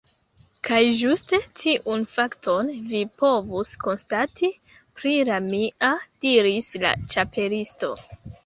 "Kaj ĝuste tiun fakton vi povus konstati pri la mia," diris la Ĉapelisto.